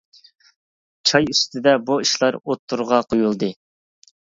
چاي ئۈستىدە بۇ ئىشلار ئوتتۇرىغا قويۇلدى.